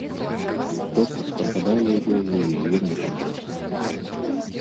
Хто паспагадае ёй у яе няшчасці?